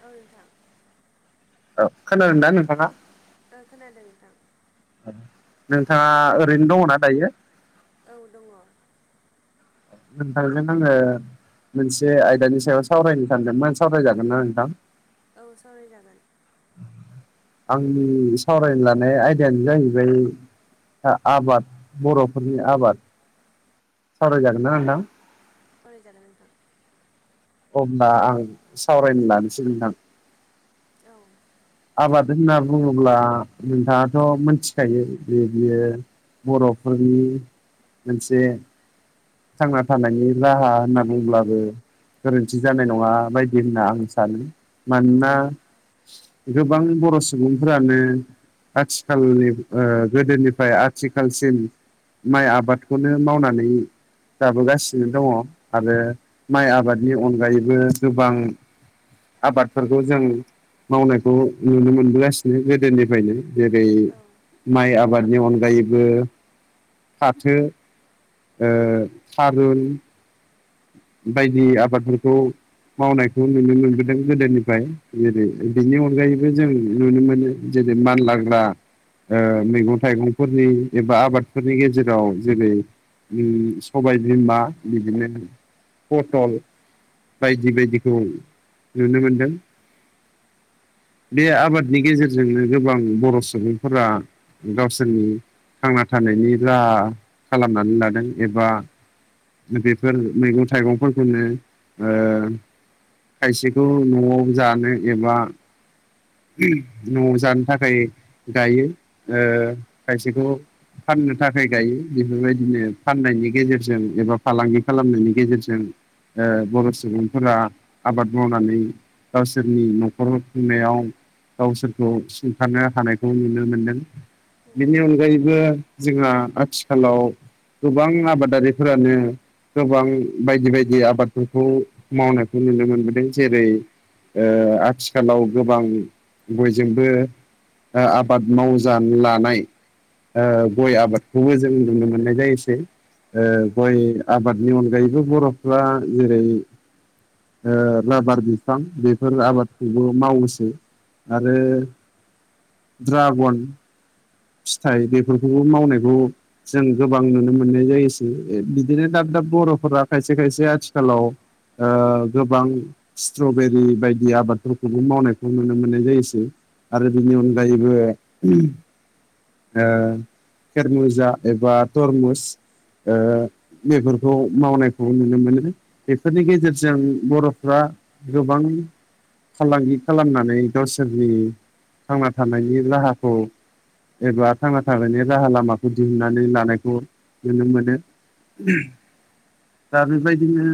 औ नोंथां औ खोनादोंना नोंथाङा? ओ खोनादों नोंथां। नोंथाङा ओरैनो दङना दायो? औ दङ। नोंथांजों आङो मोनसे आयदानि सायाव सावरायनो थांगोन नों सावरायजागोन ना नोंथां? औ सावरायजागोन। आंनि सावरायनो लानाय आयदायानो जाहैबाय आ-आबाद बर'फोरनि आबाद सावराय जागोन ना नोंथां? औ जागोन नोंथां। होमब्ला आं सावरायनो लानोसै नोंथां। औ [inaudible] होनना बुङोब्ला नोंथाङाथ' मिथिखायो बे बियो बर'फोरनि मोनसे थांना थानायनि राहा होनना बुंब्लाबो गोरोन्थि जानाय नङा बायदि होनना आं सानो औ मानोना गोबां बर' सुबुंफोरानो आथिखालनि ओ गोदोनिफ्राय आथिखालसिम माइ आबादखौनो मावनानै जाबोगासिनो दङ आरो माइ आबादनि अनगायैबो गोबां आबादफोरखौ जों मावनाय खौ नुनो मोनबोगासिनो गोदोनिफ्रायनो जेरै औ माइ आबादनि अनगायैबो फाथो ओ थारुन बायदि आबादफोरखौ मावनायखौ नुनो मोनबोदों गोदोनिफ्राय गोदो बिनि अनगायैबो जों नुनो मोनो जे बै मानलाग्रा ओ मैगं थाइगंफोरनि एबा आबादफोरनि गेजेराव जेरै उम सबाय बिमा बिदिनो पटल बायदि बायदिखौ नुनो मोनदों। [inaudible] बे आबादनि गेजेरजोंनो गोबां बर' सुबुंफोरा गावसोरनि थांना थानायनि राहा खालामनानै लादों एबा बेफोर मैगं थाइगंफोरखौनो खायसेखौ न'आव जानो एबा न'आव जानो थाखाय गायो ओ खायसेखौ फाननो थाखाय गायो बेफोरबायदिनो नंगौ फाननायनि गेजेरजों एबा फालांगिफोर खालामनायनि गेजेरजों ओ बर' सुबुंफोरा आबाद मावनानै गावसोरनि न'खर खुंनायाव गावसोरखौ सुंथानो हानायखौ नुनो मोनदों। बेनि अनगायैबो जोंहा आथिखालाव गोबां आबादारिफोरानो गोबां बायदि बायदि आबादफोरखौ मावनायखौ नुनो मोनबोदों जेरै ओ आथिखालाव गोबां बयजोंबो ओ आबाद मावजानो लानाय गय आबादखौबो जों नुनो मोननाय जायोसै नंगौ नंगौ गय -बादनि अनगायैबो बर'फ्रा जेरै राबार ओ बिफां बेफोर आबादखौबो मावोसै। आरो नंगौ ड्रागन फिथाइ बेफोरखौबो मावनायखौ जों गोबां नुनो मोननाय जायोसै बिदिनो दाब दाब दा बर'फोरा खायसे खायसे आथिखालाव गोबां स्ट्रबेरि बायदि आबादफोरखौबो मावनायखौ नुनो मोननाय जायोसै। आरो बिनि नंगौ अनगायैबो ओ खेरमुजा एबा तरमुस ओ बेफोरखौ मावनायखौ नुनो मोनो बेफोरनि गेजेरजों बर'फ्रा गोबां फालांगि खालामनानै गावसोरनि थांना थानायनि राहाखौ एबा थांना थानायनि राहा लामाखौ दिहुननानै लानायखौ नुनो मोनो। दा बेबायदिनो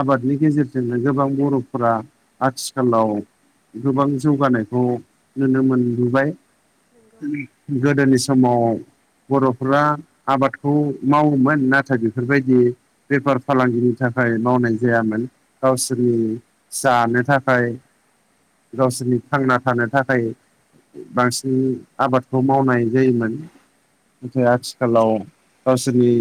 आबादनि गेजेरजोंनो गोबां बर'फोरा आथिखालाव गोबां जौगानायखौ नुनो मोनबोबाय। नोंगौ गोदोनि समाव बर'फोरा आबादखौ मावोमोन नाथाय बेफोरबायदि बेफार फालांगिनि था खाय मावनाय जायामोन गावसोरनि जानो थाखाय गावसोरनि थांना थानो थाखाय बांसिन आबादखौ मावनाय जायोमोन नाथाय आथिखालाव गावसोरनि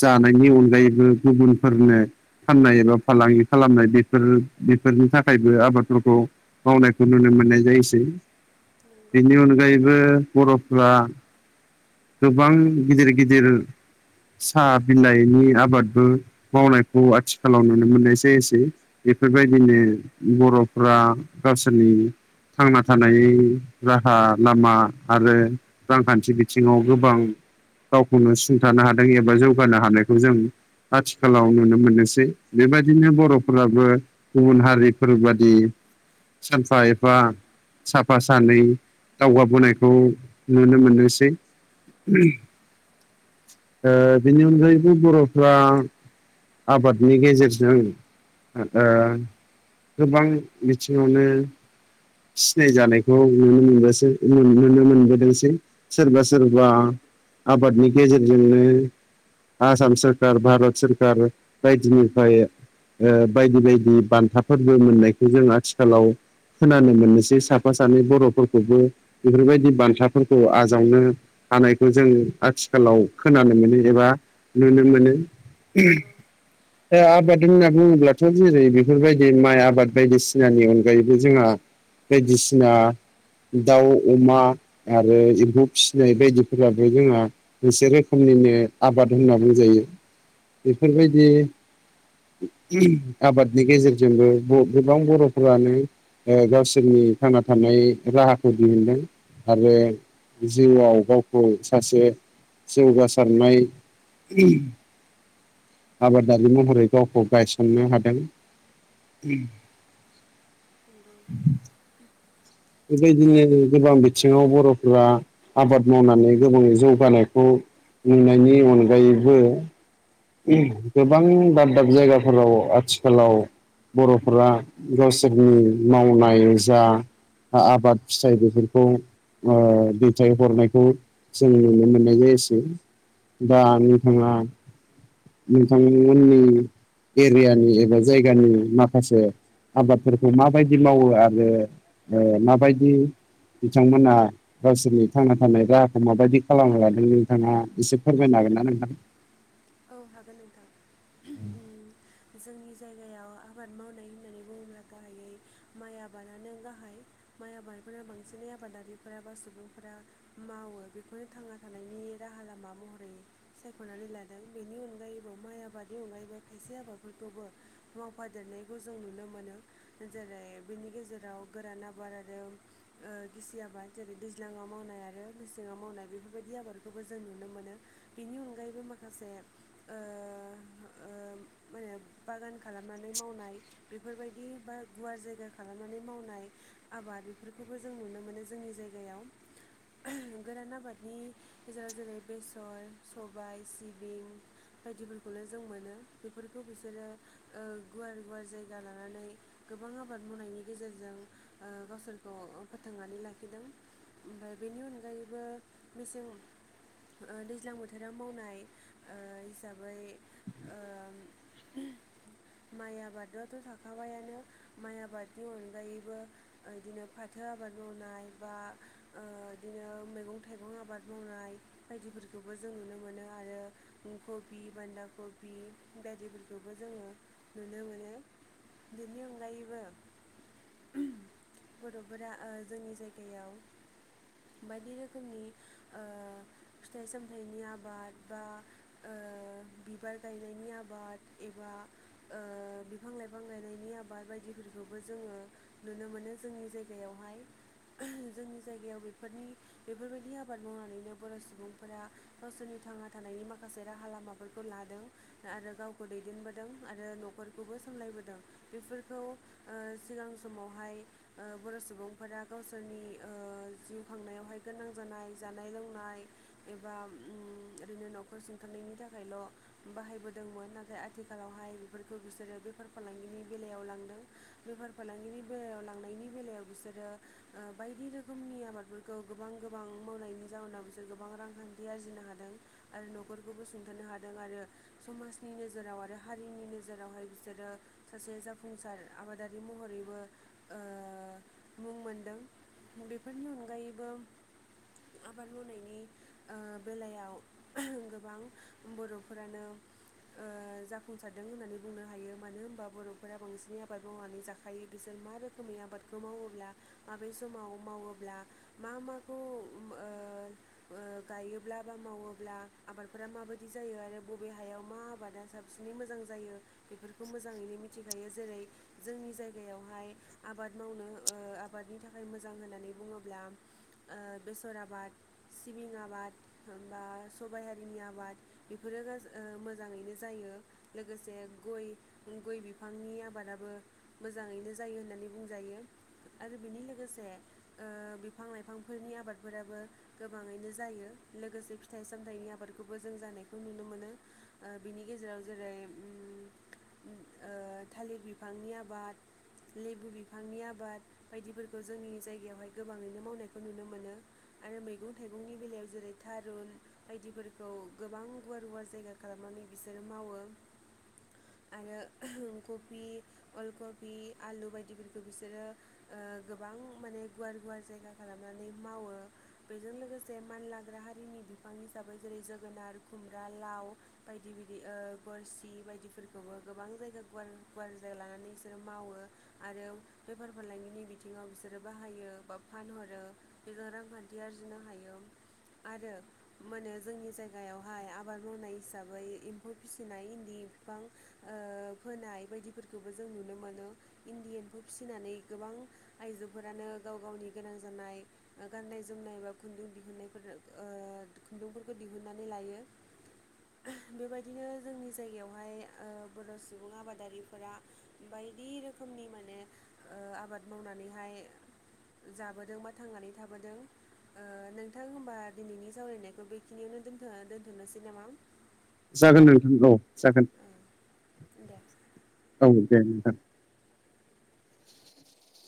जानायनि अनगायैबो गुबुनफोरनो फाननाय एबा फालांगि खालामनाय बेफोरनि थाखायबो आबादफोरखौ मावनायखौ नुनो मोननाय जायोसै बेनि अनगायैबो बर'फ्रा गोबां गिदिर गिदिर साहा बिलाइनि आबादबो मावनायखौ आथिखालाव नुनो मोननाय जायोसै। नंगौ बेफोरबायदिनो बर' -फ्रा गावसोरनि थांना थानायनि राहा लामा आरो रांखान्थि बिथिङाव गोबां गावखौनो सुंथानो हादों एबा जौगानो हानायखौ जों आथिखालाव नुनो मोननोसै। बेबायदिनो नंगौ बर'फोराबो गुबुन हारिफोर बादि सानफा एफा साफा सानै दावगाबोनायखौ नुनो मोनोसै। ओ बेनि अनगायैबो बर'फ्रा आबादनि गेजेरजों ओ गोबां बिथिङावनो सिनाय जानायखौ नुनो मोनगासि नुनो मोनबोदोंसै सोरबा सोरबा आबादनि गेजेरजोंनो आसाम सोररखार भारत सोरखार बायदिनिफ्राय ओ बायदि बायदि बान्थाफोरबो मोननायखौ जों आथिखालाव खोना -नो मोननोसै साफा सानै बर'फोरखौबो बेफोरबायदि बान्थाफोरखौ आजावनो हानाय जों आथिखालाव खोनानो मोनो एबा नुनो मोनो उ नंगौ [unintelligible] आबाद होनना बुङोब्लाथ' जेरै बेफोरबायदि माइ आबाद बायदिसिनानि अनगायैबो जोंहा। बायदिसिना दाउ अमा आरो एम्फौ फिसिनाय बायदिफोराबो जोंहा मोनसे रोखोमनि नो आबाद होनना बुंजायो बेफोरबायदि नंगौ नंगौ आबादनि गेजेरजोंबो गोबां बर'फोरानो ओ गावसो रनि थांना थानाय राहाखौ दिहुनदों आरो जिउआव गावखौ सासे जौगासारनाय आबादारि महरै गावखौ गायसननो हादों। उम नंगौ बेबायदिनो गोबां बिथिङाव बर'फोरा आबाद मावनानै गोबां जौगानायखौ नुनायनि अनगायैबो गोबां दाब दाब जायगाफोराव आथिखालाव बर'फोरा गावसोरनि मावनाय जा आबाद फिथाइ बेफोरखौ ओ दैथायहरनायखौ जों नुनो मोननाय जायोसै। दा नंगौ नोंथाङा नोंथां मोननि एरियानि एबा जायगानि माखासे आबादफोरखौ माबायदि मावो आरो ओ माबायदि बिथांमोना गावसोरनि थांना थानाय राहाखौ माबायदि खालामना लादों नोंथाङा एसे फोरमायना हागोन ना नोंथां। औ हागोन नोंथां। उम जोंनि जायगायाव आबाद मावनाय होननानै बुङोब्ला गाहायै माइ आबादानो गाहाय। माइ आबादफोरा बांसिनै आबादारिफोरा बा सुबुंफोरा मावो बेखौनो थांना थानायनि राहा लामा महरै सायख'नानै ला [inaudible] बिनि अनगायैबो खायसे आबादफोरखौबो मावफादेरनायखौ जों नुनो मोनो जेरै नि गेजेराव गोरान आबाद आरो ओ गिसि आबाद जेरै दैज्लाङाव मावनाय आरो मेसेङाव मावनाय बेफोरबायदि आबादखौबो जों नुनो मोनो बेनि अनगायैबो मा खासे ओ ओ माहोनो बागान खालामनानै मावनाय बे फोरबायदि बा गुवार जायगा खालामनानै मावनाय आबाद बेफोरखौबो जों नुनो मोनो जोंनि जायगायाव। [inaudible] गोरान आबादनि गेजेराव जेरै बेसर सबायाइ सि [inaudible] बायदिफोरखौल' जों मोनो बेफोरखौ बिसोरो ओ गुवार गुवार जायगा लानानै गोबां आबाद मावनायनि गेजेरजों ओ गावसोरखौ फोथांनानै लाखिदों। ओमफाय बेनि अनगायैबो मेसें ओ दैज्लां बोथोराव मावनाय ओ हिसाबै ओ माइ आबादाथ' थाखाबायानो माइ आबादनि अनगायैबो बिदिनो फाथो आबाद मावनाय बा ओ बिदिनो मैगं थाइगं आबाद मावनाय बायदिफोरखौबो जों नुनो मोनो आरो कबि बान्दा कबि बायदिफोरखौबो जोङो नुनो मोनो। बिनि अनगायैबो गथ'फोरा ओ जोंनि जायगायाव बायदि रोखोमनि ओ फिथाइ सामथाइनि आबाद बा ओ [inaudible] बिबार गायनायनि आबाद एबा ओ बिफां लाइफां गायनायनि आबाद बायदि फोरखौबो जोङो नुनो मोनो जोंनि जायगायावहाय। जोंनि जायगायाव बेफोरनि बेफोरबायदि आबाद मावनानैनो बर' सुबुंफोरा गावसोरनि थांना थानायनि मा माखासे राहा लामाफोरखौ लादों आरो गावखौ दैदेनबोदों आरो न'खरखौबो सामलायबोदों। बेफोरखौ ओ सिगां समावहाय बर' सुबुंफोरा गावसोरनि ओ जिउ खांनायावहाय गोनां जानाय जानाय लोंनाय एबा ओरैनो न'खर थांनायनि थाखायल' बाहायबोदोंमोन नाथाय आथिखालावहाय बेफोरखौ बिसोरो बेफार फालांगिनि बेलायाव बेयाव लांदों बेफार फालांगनि बेलायाव लांनायनि बेलायाव बिसोरो बायदि रोखोमनि आबादफोरखौ गोबां गोबां मावनायनि जउनाव बिसोर गोबां रांखान्थि आरजिनो हादों आरो न'खर बेखौबो सुंथानो हादों आरो समाजनि नोजोराव आरो हारिनि नोजोरावहाय बिसोरो सासे जाफुंसार आबादारि महरैबो मुं मोनदों। बेफोरनि अनगायैबो आबाद मावनायनि ओ बेलायाव गोबां बर'फोरानो ओ जाफुंसारदों होननानै बुंनो हायो मानो होनबा बर'फोरा बांसिनै आबाद मावनानै जाखायो बिसोर मा रोखोमनि आबादखौ मावोब्ला माबे समाव मावोब्ला मा माखौ ओ ओगायोब्ला बा मावोब्ला आबादफोरा माबायदि जायो आरो बबे हायाव मा आबादा साबसिनै मोजां जायो बेफोरखौ मोजाङैनो मिथिग बायो जेरै जोंनि जायगायावहाय आबाद मावनो आबादनि थाखाय मोजां होननानै बुं ब्ला बेसर आबाद सिबिं आबादा सबाइ हारिनि आबाद बेफोरो मोजाङैनो जायो लोगोसे गय गय बिफांनि आबादाबो मोजाङैनो जायो होननानै बुंजायो आरो बेनि लोगोसे ओ बिफां लाइफांफोरनि आबादफोराबो गोबाङैनो जायो लोगोसे फिथाइ सामथाइनि आबादखौबो जों जानायखौ नुनो मोनो बिनि गेजेराव जेरै ओ थालिर बिफांनि आबाद लेबु बिफांनि आबाद बायदिफोरखौ जोंनि जायगायावहाय गोबाङैनो मावनायखौ नुनो मोनो। आरो मैगं थाइगंनि बेलायाव जेरै थारुन बायदिफोरखौ गोबां गुवार गुवार जायगा खालामनानै बिसोरो मावो। आरो कबि अल कबि आलु बायदिफोरखौ बिसोरो गोबां माने गुवार गुवार जायगा खालामनानै मावो बेजों लोगोसे मानलाग्रा हारिनि बि बिफां हिसाबै जेरै जोगोनार खुमब्रा लाव बायदि बायदि गोरसि बायदिफोरखौबो गोबां जायगा गुवार गुवार जायगा लानानै बिसोरो मावो आरो बेफार फालांगिनि बिथिङाव बि बिसोरो बाहायो बा फानहरो बेजों रांखान्थि आरजिनो हायो आरो मोनो जोंनि जायगायावहाय आबाद मावनाय हिसाबै एम्फौ फिसिनाय इन्दि बिफां ओ फोनाय बायदिफोरखौबो जों नुनो मोनो इण्डियानखौ फिसिनानै गोबां आइजो फोरानो गाव गावनि गोनां जानाय गाननाय जोमनाय बा खुन्दुं दिहुननायफोर ओ खुन्दुंफोरखौ दिहुनन्नानै लायो। बेबायदिनो जोंनि जायगायावहाय बर' सुबुं आबादारिफोरा बाय बायदि रोखोमनि माने आबाद मावनानैहाय जाबोदों बा थांनानै थाबोदों नोंथां होमबा दिनैनि सावरायनाय बेखिनियावनो दोनथ'नोसै नामा? जागोन नोंथां औ जागोन। दे। औ दे नोंथां